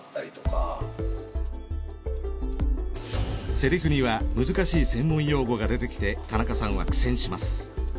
セリフには難しい専門用語が出てきて田中さんは苦戦します。